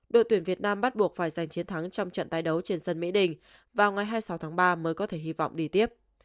đội tuyển việt nam bắt buộc phải giành chiến thắng trong trận tái đấu trên sân mỹ đình vào ngày hai mươi sáu tháng ba mới có thể hy vọng đi tiếp